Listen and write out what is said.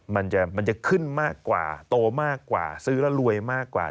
มันจะขึ้นมากกว่าโตมากกว่าซื้อแล้วรวยมากกว่า